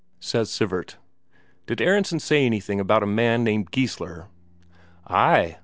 Says Sivert: "Did Aronsen say anything about a man named Geissler?" "Ay.